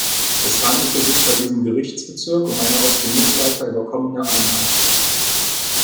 Es handelte sich bei diesem Gerichtsbezirk um eine aus dem Mittelalter überkommene Einheit.